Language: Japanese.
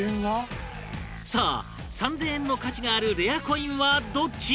さあ、３０００円の価値があるレアコインはどっち？